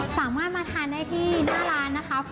สามารถมาทานได้ที่หน้าร้านนะคะ